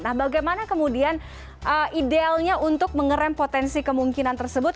nah bagaimana kemudian idealnya untuk mengerem potensi kemungkinan tersebut